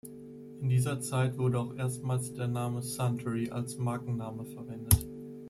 In dieser Zeit wurde auch erstmals der Name „Suntory“ als Markenname verwendet.